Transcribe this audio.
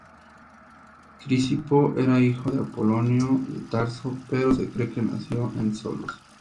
Crisipo era hijo de Apolonio de Tarso, pero se cree que nació en Solos.